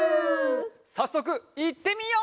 さっそくいってみよう！